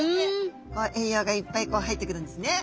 栄養がいっぱい入ってくるんですね。